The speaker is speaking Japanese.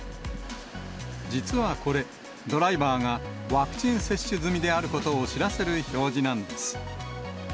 実はこれ、ドライバーがワクチン接種済みであることを知らせる表示なんです。